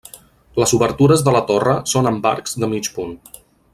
Les obertures de la torre són amb arcs de mig punt.